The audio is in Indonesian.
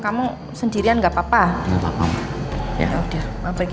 kamu sendirian enggak apa apa